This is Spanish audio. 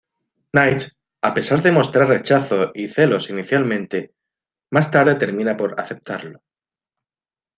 Knight, a pesar de mostrar rechazo y celos inicialmente, más tarde termina por aceptarlo.